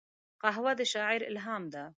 قهوه د شاعر الهام ده